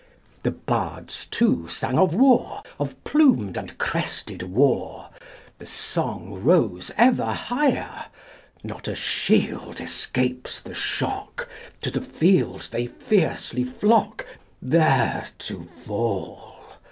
The bards, too, sang of war, Of plumed and crested war; The song rose ever higher. Not a shield Escapes the shock, To the field They fiercely flock, There to fall.